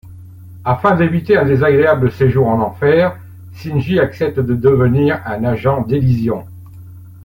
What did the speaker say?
Afin d'éviter un désagréable séjour en enfer, Sinji accepte de devenir un agent d'Elysion.